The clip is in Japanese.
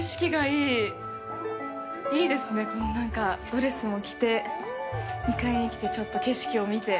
いいですね、このドレスを着て２階に来て、ちょっと景色を見て。